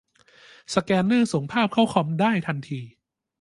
สแกนเนอร์ส่งภาพเข้าคอมได้ทันที